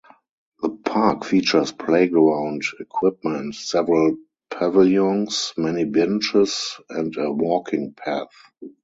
The park features playground equipment, several pavilions, many benches, and a walking path.